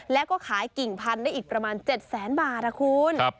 แล้วก็ขายกิ่งพันธุ์ได้อีกประมาณ๗แสนบาทนะคุณ